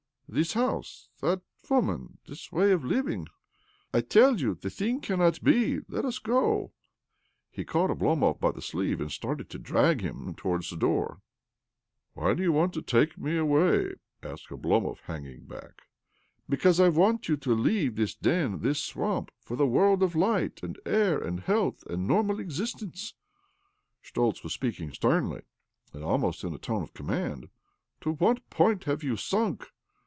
" This house, that wom^n, this way of living ?— I tell you the thing cannot be. Let us go." He caught Oblomov by the sleeve, and started to drag him towards the door. 294 OBLOMOV "Why do you want to take me away?" asked Oblomov, hanging back. " Because I want you to leave this den, this swamp, for the world of light and air and health and normal existence." Schtoltz was speaking sternly, and almost in a tone of comimand. " To what point have you sunk?"